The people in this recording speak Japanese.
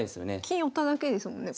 金寄っただけですもんね。